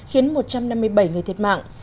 khiến một trăm năm mươi bảy người thiệt mạng